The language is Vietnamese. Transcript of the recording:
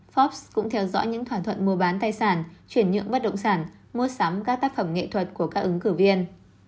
forbes cũng theo dõi những thỏa thuận mua bán tài sản chuyển nhượng bất động sản mua sắm các tác phẩm nghệ thuật của các ứng cử viên